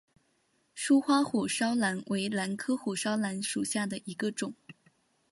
疏花火烧兰为兰科火烧兰属下的一个种。